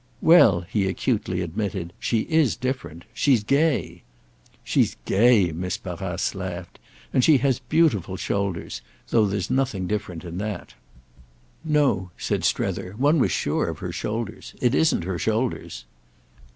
"Well," he acutely admitted, "she is different. She's gay." "She's gay!" Miss Barrace laughed. "And she has beautiful shoulders—though there's nothing different in that." "No," said Strether, "one was sure of her shoulders. It isn't her shoulders."